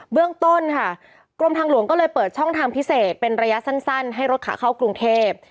เรื่องต้นค่ะกรมทางหลวงก็เลยเปิดช่องทางพิเศษเป็นระยะสั้นให้รถขาเข้ากรุงเทพ